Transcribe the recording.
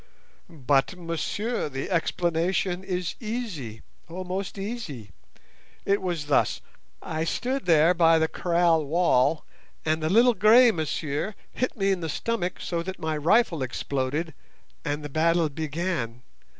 "But, monsieur, the explanation is easy; oh, most easy! it was thus: I stood there by the kraal wall, and the little grey monsieur hit me in the stomach so that my rifle exploded, and the battle began.